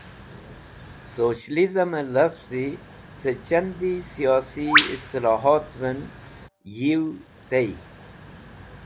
Socialism e Lavzi ce Chandi Siyosi Istilahatven yiw tey.